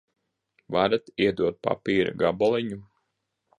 Varat iedot papīra gabaliņu?